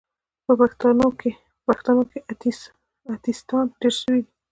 په پښتانو کې اتیستان ډیر سوې دي